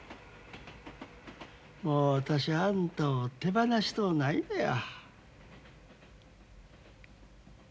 もう私あんたを手放しとうないのや。